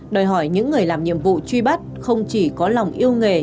đòi hỏi những người làm nhiệm vụ truy bắt không chỉ có lòng yêu nghề